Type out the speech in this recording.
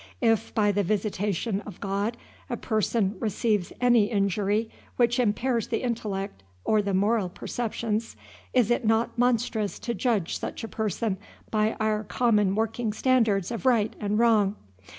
If by the visitation of God a person receives any injury which impairs the intellect or the moral perceptions, is it not monstrous to judge such a person by our common working standards of right and wrong?